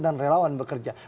dan relawan bekerja